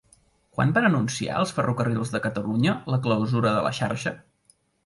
Quan van anunciar els Ferrocarrils de Catalunya la clausura de la xarxa?